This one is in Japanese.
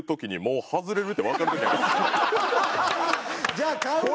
じゃあ買うなよ！